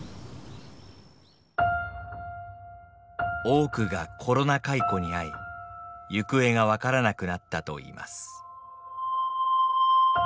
多くがコロナ解雇に遭い行方が分からなくなったといいます。